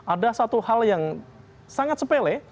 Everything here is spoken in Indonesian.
ada satu hal yang sangat sepele